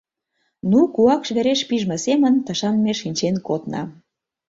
Ну, куакш вереш пижме семын, тышан ме шинчен кодна.